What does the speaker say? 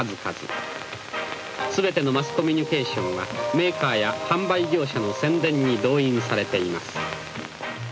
すべてのマスコミュニケーションはメーカーや販売業者の宣伝に動員されています。